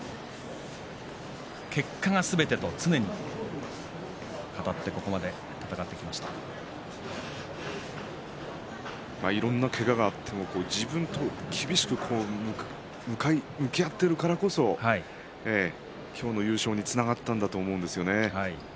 結果がすべてと常に語っていろんなけががあっても自分と厳しく向き合っているからこそ今日の優勝につながったんだと思うんですよね。